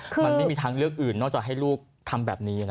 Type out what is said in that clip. มันไม่มีทางเลือกอื่นนอกจากให้ลูกทำแบบนี้นะ